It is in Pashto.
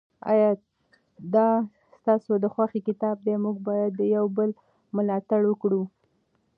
آیا دا ستاسو د خوښې کتاب دی؟ موږ باید د یو بل ملاتړ وکړو.